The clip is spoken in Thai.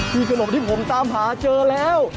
มีขนมที่ผมตามหาเจอแล้ว